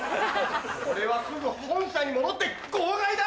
これはすぐ本社に戻って号外だ！